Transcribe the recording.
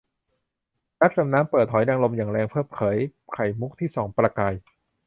นักดำน้ำเปิดหอยนางรมอย่างแรงเพื่อเผยไข่มุกที่ส่องประกาย